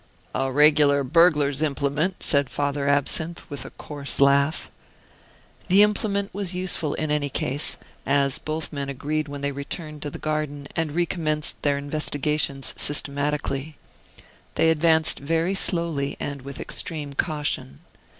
"A regular burglar's implement," said Father Absinthe, with a coarse laugh. The implement was useful in any case; as both men agreed when they returned to the garden and recommenced their investigations systematically. They advanced very slowly and with extreme caution.